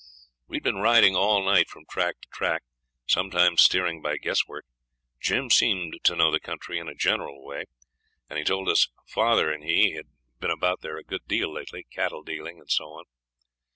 We had been riding all night from track to track, sometimes steering by guesswork. Jim seemed to know the country in a general way, and he told us father and he had been about there a good deal lately, cattle dealing and so on.